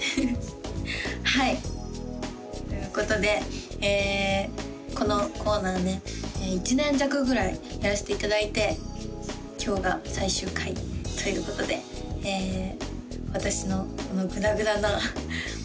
はいということでこのコーナーね１年弱ぐらいやらせていただいて今日が最終回ということで私のこのグダグダなお